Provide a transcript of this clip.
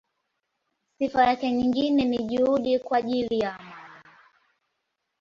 Sifa yake nyingine ni juhudi kwa ajili ya amani.